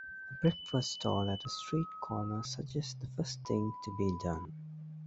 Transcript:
A breakfast-stall at a street-corner suggests the first thing to be done.